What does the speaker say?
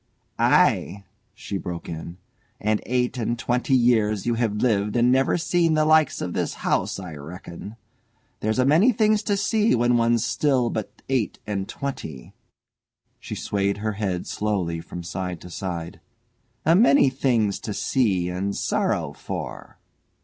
"Ay," she broke in; "and eight and twenty years you have lived and never seen the likes of this house, I reckon. There's a many things to see, when one's still but eight and twenty." She swayed her head slowly from side to side. "A many things to see and sorrow for."